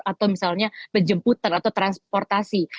atau misalnya penjemputan atau transportasi